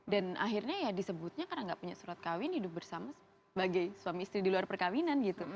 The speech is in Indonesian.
dan akhirnya ya disebutnya karena gak punya surat kawin hidup bersama sebagai suami istri di luar perkawinan gitu